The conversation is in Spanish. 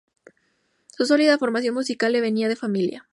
Su sólida formación musical le venía de familia.